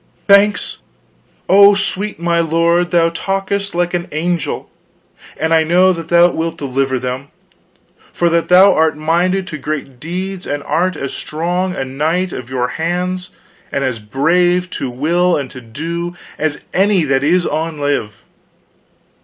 "Thanks, oh, sweet my lord, thou talkest like an angel. And I know that thou wilt deliver them, for that thou art minded to great deeds and art as strong a knight of your hands and as brave to will and to do, as any that is on live."